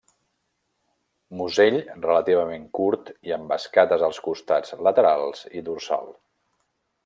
Musell relativament curt i amb escates als costats laterals i dorsal.